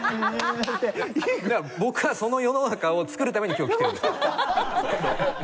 僕はその世の中を作るために今日来てるんです。